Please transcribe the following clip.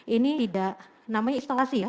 ini tidak namanya isolasi ya